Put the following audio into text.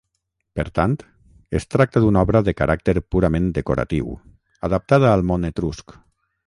Per tant, es tracta d'una obra de caràcter purament decoratiu, adaptada al món etrusc.